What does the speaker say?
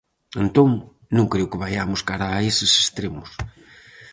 Entón, non creo que vaiamos cara a eses extremos.